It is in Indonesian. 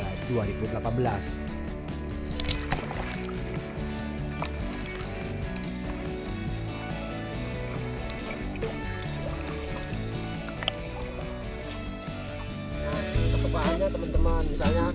nah ini tetep aja temen temen